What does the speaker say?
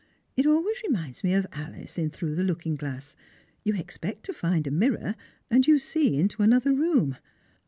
It always reminds me of Alice, in "Through the Looking Glass" you expect to find a mirror, and you see into another room.